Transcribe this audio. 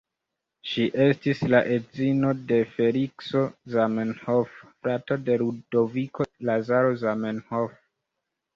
Ŝi estis la edzino de Felikso Zamenhof, frato de Ludoviko Lazaro Zamenhof.